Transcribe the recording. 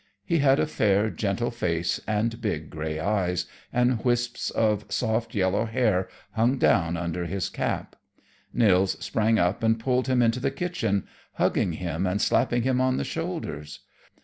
He had a fair, gentle face and big gray eyes, and wisps of soft yellow hair hung down under his cap. Nils sprang up and pulled him into the kitchen, hugging him and slapping him on the shoulders.